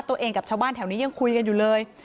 กับชาวบ้านแถวนี้ยังคุยกันอยู่เลย